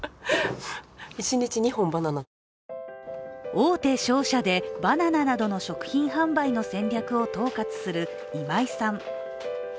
大手商社でバナナなどの食品販売の戦略を統括する今井さん。